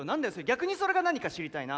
逆にそれが何か知りたいな。